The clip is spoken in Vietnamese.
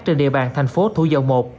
trên địa bàn thành phố thủ dầu một